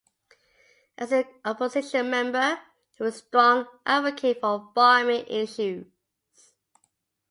As an opposition member, he was a strong advocate for farming issues.